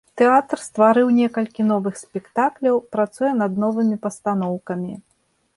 Тэатр стварыў некалькі новых спектакляў, працуе над новымі пастаноўкамі.